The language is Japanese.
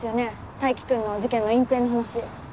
泰生君の事件の隠蔽の話。